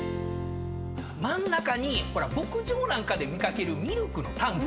真ん中に牧場なんかで見掛けるミルクのタンク。